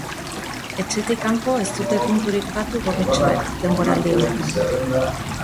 Etxetik kanpo ez dute punturik batu gorritxoek, denboraldi honetan.